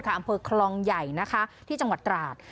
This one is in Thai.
อำเภอคลองใหญ่นะคะที่จังหวัดตราด